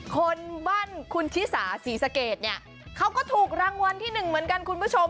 คนบ้านคุณชิสาศรีสะเกดเนี่ยเขาก็ถูกรางวัลที่หนึ่งเหมือนกันคุณผู้ชม